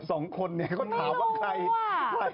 สองคนเนี่ยเขาถามว่าใคร